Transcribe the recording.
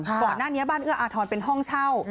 ก่อนหน้านี้บ้านเอื้ออาทรเป็นห้องเช่า